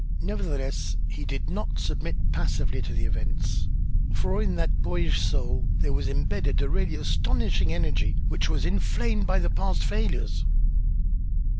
Nevertheless, he did not submit passively to the events, for in that boyish soul there was imbedded a really astonishing energy, which was inflamed by the past failures.